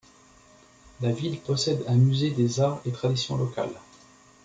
La ville possède un musée des arts et traditions locales.